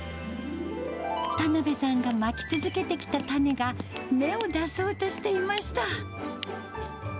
田辺さんがまき続けてきた種が、芽を出そうとしていました。